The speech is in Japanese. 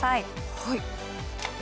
はい。